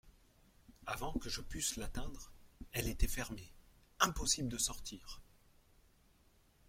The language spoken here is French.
Avant que je pusse l'atteindre, elle était fermée ; impossible de sortir.